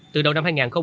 từ đó đến giờ